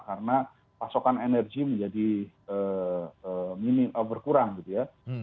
karena pasokan energi menjadi berkurang gitu ya